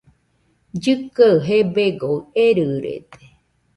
Llɨkɨaɨ gebegoɨ erɨrede.